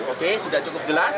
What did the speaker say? oke sudah cukup jelas